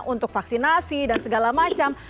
untuk vaksinasi dan segala macam